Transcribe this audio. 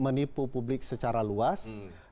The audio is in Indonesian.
menipu publik secara luas